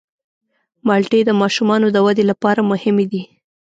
مالټې د ماشومانو د ودې لپاره مهمې دي.